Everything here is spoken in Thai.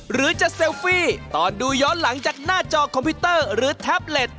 หรือจะเซลฟี่ตอนดูย้อนหลังจากหน้าจอคอมพิวเตอร์หรือแท็บเล็ต